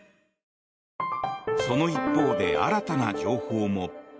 その一方で、新たな情報も。